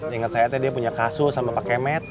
ingat saya tadi dia punya kasus sama pak kemet